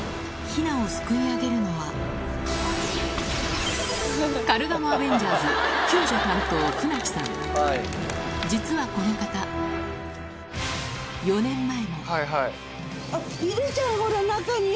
ヒナを救い上げるのは、カルガモアベンジャーズ、救助担当、船木さん。あっ、いるじゃん、ほら、中に。